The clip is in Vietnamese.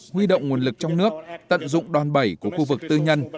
huy động nguồn lực trong nước tận dụng đòn bẩy của khu vực tư nhân